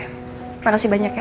terima kasih banyak ya